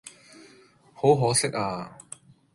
好可惜呀